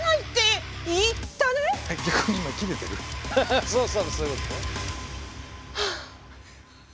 ハハそうそうそういうこと。